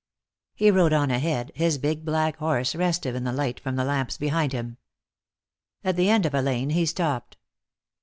He rode on ahead, his big black horse restive in the light from the lamps behind him. At the end of a lane he stopped.